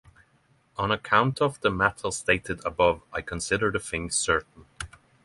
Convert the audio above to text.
On account of the matter stated above I consider the thing certain.